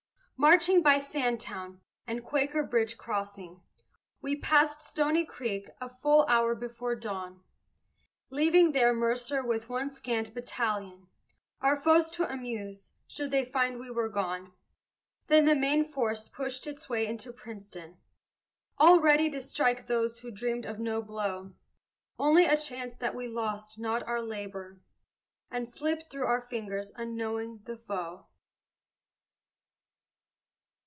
Marching by Sandtown, and Quaker Bridge crossing, We passed Stony Creek a full hour before dawn, Leaving there Mercer with one scant battalion Our foes to amuse, should they find we were gone; Then the main force pushed its way into Princeton, All ready to strike those who dreamed of no blow; Only a chance that we lost not our labor, And slipped through our fingers, unknowing, the foe.